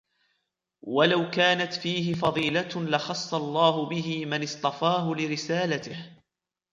وَلَوْ كَانَتْ فِيهِ فَضِيلَةٌ لَخَصَّ اللَّهُ بِهِ مَنْ اصْطَفَاهُ لِرِسَالَتِهِ